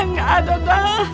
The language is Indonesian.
emang kamu mau kemana